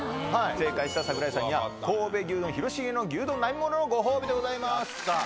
正解した櫻井さんには、神戸牛丼広重の牛丼並盛のご褒美でございます。